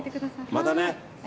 またね！